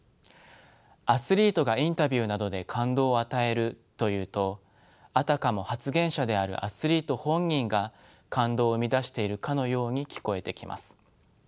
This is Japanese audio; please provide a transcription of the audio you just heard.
アスリートがインタビューなどで「感動を与える」と言うとあたかも発言者であるアスリート本人が感動を生み出しているかのように聞こえてきます。